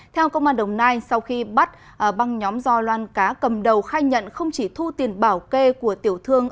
theo công an đồng nai sau khi bắt băng nhóm do loan cá cầm đầu khai nhận không chỉ thu tiền bảo kê của tiểu thương